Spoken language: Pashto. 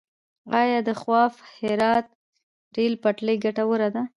آیا د خواف - هرات ریل پټلۍ ګټوره ده؟